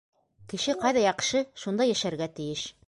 Кеше ҡайҙа яҡшы, шунда йәшәргә тейеш.